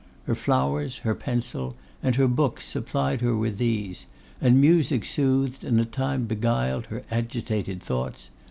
Her flowers, her pencil, and her books supplied her with these; and music soothed, and at times beguiled, her agitated thoughts.